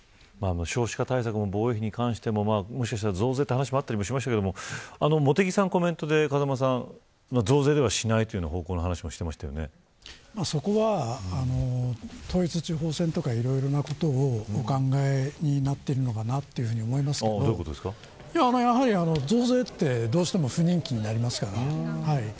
少子化対策や防衛費に関しても増税という話もあったりしましたが茂木さんのコメントで風間さんは増税しないという話をそこは統一地方選とかいろいろなことをお考えになってるのかなとやはり増税ってどうしても不人気になります。